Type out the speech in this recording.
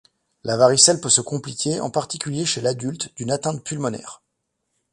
La varicelle peut se compliquer, en particulier chez l’adulte, d’une atteinte pulmonaire.